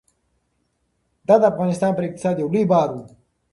دا د افغانستان پر اقتصاد یو لوی بار و.